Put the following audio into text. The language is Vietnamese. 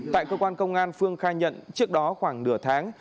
tại cơ quan công an phương khai nhận trước đó khoảng nửa tháng